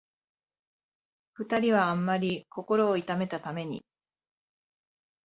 二人はあんまり心を痛めたために、